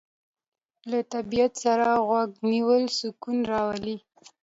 له طبیعت سره غوږ نیول سکون راولي.